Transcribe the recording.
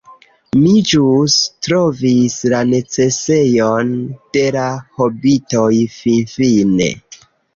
Mi ĵus trovis la necesejon de la hobitoj finfine!